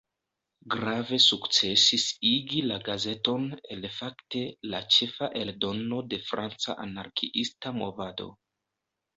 Grave sukcesis igi la gazeton el fakte la "ĉefa" eldono de franca anarkiista movado.